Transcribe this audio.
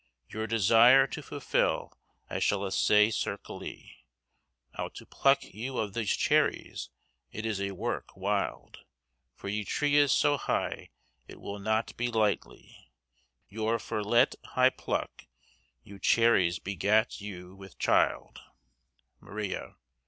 _ Yor desyr to fulfylle I shall assay sekyrly, Ow to plucke yow of these cherries it is a werk wylde, For ye tre is so hyg' it wol not be lyghtly, Yr for lete hy pluk yow cheryes begatt yow wt childe. _Maria.